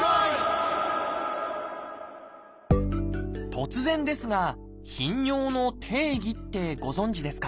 突然ですが頻尿の定義ってご存じですか？